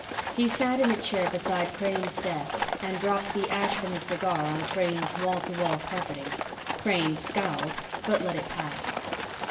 He sat in a chair beside Crane's desk and dropped the ash from his cigar on Crane's wall to wall carpeting. Crane scowled, but let it pass.